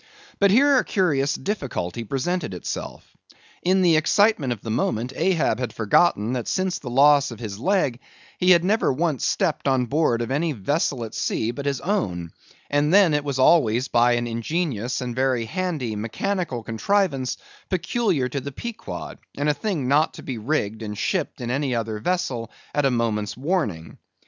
But here a curious difficulty presented itself. In the excitement of the moment, Ahab had forgotten that since the loss of his leg he had never once stepped on board of any vessel at sea but his own, and then it was always by an ingenious and very handy mechanical contrivance peculiar to the Pequod, and a thing not to be rigged and shipped in any other vessel at a moment's warning.